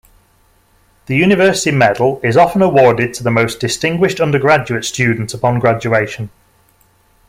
The University Medal is often awarded to the most distinguished undergraduate student upon graduation.